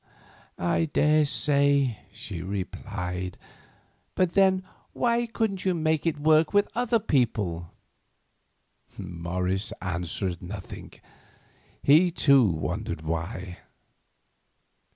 "I daresay," she replied; "but, then, why couldn't you make it work with other people?" Morris answered nothing. He, too, wondered why.